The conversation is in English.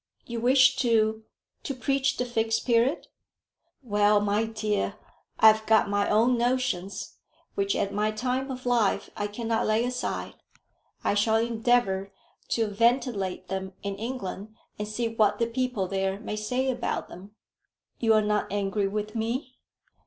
"You wish to to preach the Fixed Period?" "Well, my dear, I have got my own notions, which at my time of life I cannot lay aside. I shall endeavour to ventilate them in England, and see what the people there may say about them." "You are not angry with me?"